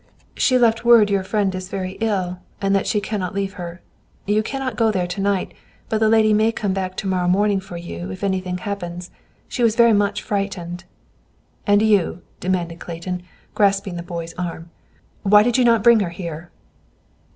"She left word your friend is very ill, and that she cannot leave her. You cannot go there to night, but the lady may come back to morrow morning for you if anything happens. She was very much frightened." "And you?" demanded Clayton, grasping the boy's arm. "Why did you not bring her here?"